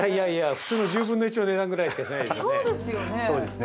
普通の１０分の１の値段ぐらいしかしてないですよね。